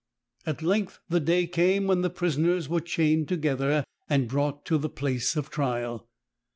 At length the day came when the prisoners were chained together and brought to the place of trial.